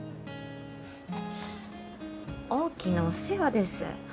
大きなお世話です